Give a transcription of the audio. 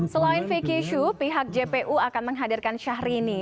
selain vicky shu pihak jpu akan menghadirkan syahrini